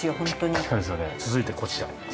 続いてこちら。